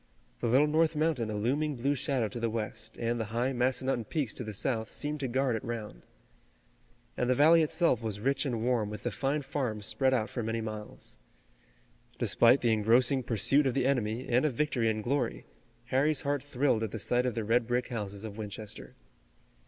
The Little North Mountain a looming blue shadow to the west, and the high Massanutton peaks to the south seemed to guard it round. And the valley itself was rich and warm with the fine farms spread out for many miles. Despite the engrossing pursuit of the enemy and of victory and glory, Harry's heart thrilled at the sight of the red brick houses of Winchester.